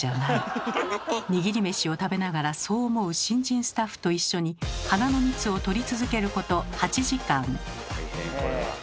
握り飯を食べながらそう思う新人スタッフと一緒に花の蜜を採り続けること８時間。